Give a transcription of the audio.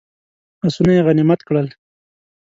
آسونه یې غنیمت کړل.